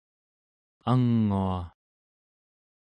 angua